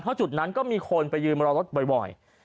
เพราะจุดนั้นก็มีคนไปยืนรอรถบ่อย